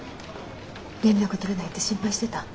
連絡取れないって心配してた？